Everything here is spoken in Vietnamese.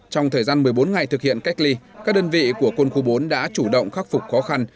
trong thời gian một mươi bốn ngày thực hiện cách ly các đơn vị của quân khu bốn đã chủ động khắc phục khó khăn